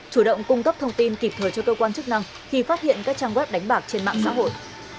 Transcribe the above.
chủ động cung cấp thông tin kịp thời cho cơ quan chức năng khi phát hiện các trang web đánh bạc trên mạng xã hội